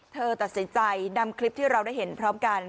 เธอตัดสินใจนำคลิปที่เราได้เห็นพร้อมกัน